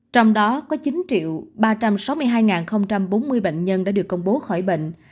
trong đó có chín ba trăm sáu mươi hai bốn mươi bệnh nhân đã được công bố khỏi bệnh